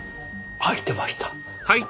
開いてました。